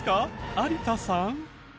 有田さん。